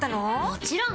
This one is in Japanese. もちろん！